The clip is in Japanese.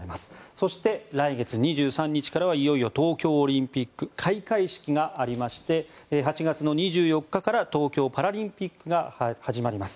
そして、来月２３日からはいよいよ、東京オリンピックの開会式がありまして８月２４日から東京パラリンピックが始まります。